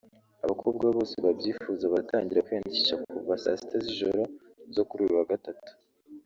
Abakobwa bose babyifuza baratangira kwiyandikisha kuva saa sita z’ijoro zo kuri uyu wa Gatatu